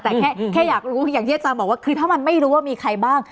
แต่แค่อยากรู้อย่างที่อาจารย์บอกว่าคือถ้ามันไม่รู้ว่ามีใครบ้าง